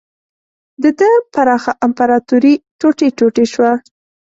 د ده پراخه امپراتوري ټوټې ټوټې شوه.